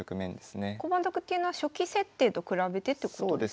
駒得っていうのは初期設定と比べてってことですか？